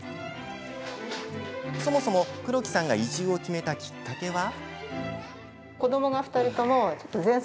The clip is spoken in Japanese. そもそも黒木さんが移住を決めたきっかけは。